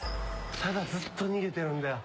ただずっと逃げてるんだよ。